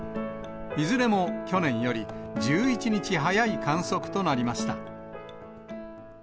いずれも去年より１１日早い観測となりました。